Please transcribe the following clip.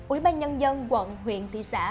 ủy ban nhân dân quận huyện tỷ xã